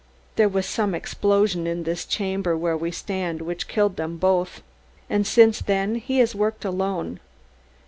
There was some explosion in this chamber where we stand which killed them both, and since then he has worked alone.